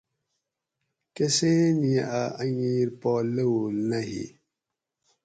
کۤسیں نی اۤ اۤنگیر پا لوؤل نہ ھی